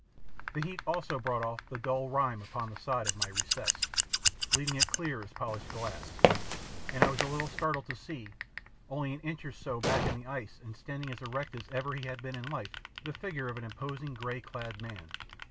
The heat also brought off the dull rime upon the side of my recess, leaving it clear as polished glass, and I was a little startled to see, only an inch or so back in the ice and standing as erect as ever he had been in life, the figure of an imposing grey clad man.